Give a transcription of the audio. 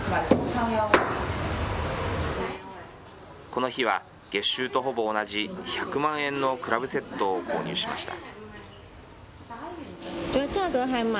この日は月収とほぼ同じ、１００万円のクラブセットを購入しました。